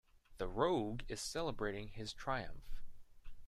The rogue is celebrating his triumph.